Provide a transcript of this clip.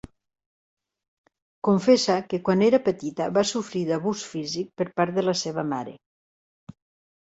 Confessa que quan era petita va sofrir d'abús físic per part de la seva mare.